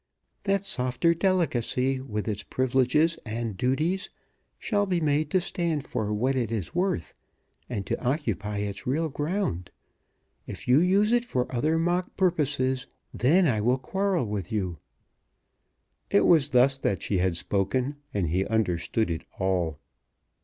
That softer delicacy, with its privileges and duties, shall be made to stand for what it is worth, and to occupy its real ground. If you use it for other mock purposes, then I will quarrel with you." It was thus that she had spoken, and he understood it all.